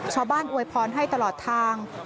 ช่อบ้านโดยพรให้ตลอดทาง